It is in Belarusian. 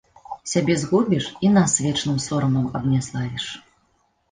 Сябе згубіш і нас вечным сорамам абняславіш.